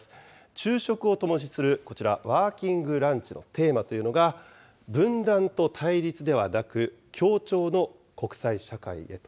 昼食を共にするこちら、ワーキングランチのテーマというのが、分断と対立ではなく協調の国際社会へと。